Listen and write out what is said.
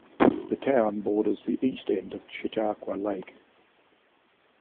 The town borders the east end of Chautauqua Lake.